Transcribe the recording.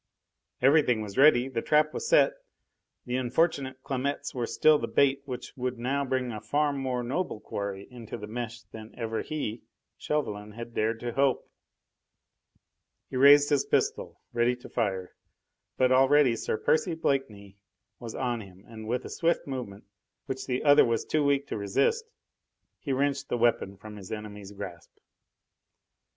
Everything was ready; the trap was set! The unfortunate Clamettes were still the bait which now would bring a far more noble quarry into the mesh than even he Chauvelin had dared to hope. He raised his pistol, ready to fire. But already Sir Percy Blakeney was on him, and with a swift movement, which the other was too weak to resist, he wrenched the weapon from his enemy's grasp.